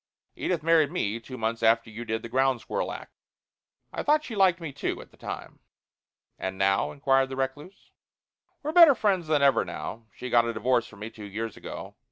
Edith married me two months after you did the ground squirrel act. I thought she liked me, too, at the time." "And now?" inquired the recluse. "We're better friends than ever now. She got a divorce from me two years ago.